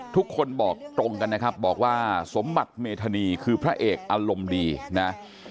ทุกคนบอกตรงกันนะครับบอกว่าสมบัติเมธานีคือพระเอกอารมณ์ดีนะ